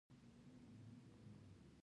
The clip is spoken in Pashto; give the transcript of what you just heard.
د سمنګان په روی دو اب کې سکاره شته.